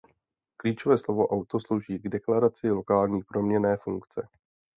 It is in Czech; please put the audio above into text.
Klíčové slovo auto slouží k deklaraci lokální proměnné funkce.